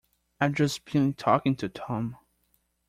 I've just been talking to Tom.